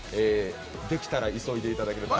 できたら急いでいただけると。